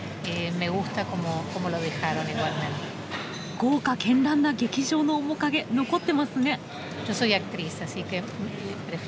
豪華絢爛な劇場の面影残ってますね。